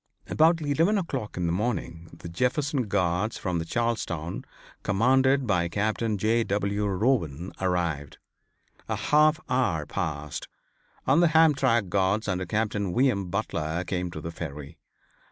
About eleven o'clock in the morning the Jefferson Guards from Charlestown commanded by Captain J. W. Rowen arrived. A half hour passed and the Hamtramck guards under Captain V. M. Butler came to the Ferry.